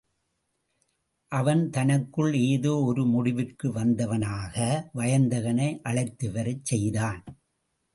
அவன் தனக்குள் ஏதோ ஒரு முடிவிற்கு வந்தவனாக, வயந்தகனை அழைத்துவரச் செய்தான்.